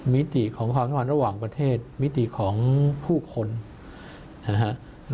มิติของความสัมพันธ์ระหว่างประเทศมิติของผู้คนนะฮะ